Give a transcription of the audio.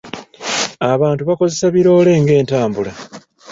Abantu bakozesa biroole nga entambula.